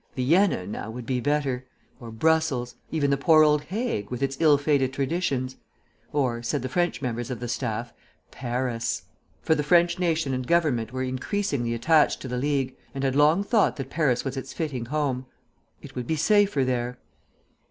Vienna, now, would be better; or Brussels: even the poor old Hague, with its ill fated traditions. Or, said the French members of the staff, Paris. For the French nation and government were increasingly attached to the League, and had long thought that Paris was its fitting home. It would be safer there.